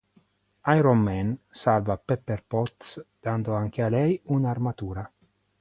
Iron Man salva Pepper Potts dando anche a lei una'armatura.